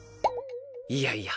いやいや